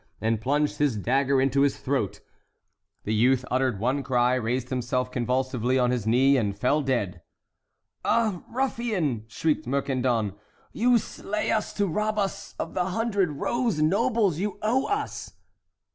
and plunged his dagger into his throat. The youth uttered one cry, raised himself convulsively on his knee, and fell dead. "Ah, ruffian!" shrieked Mercandon, "you slay us to rob us of the hundred rose nobles you owe us."